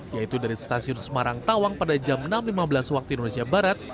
yaitu dari stasiun semarang tawang pada jam enam lima belas waktu indonesia barat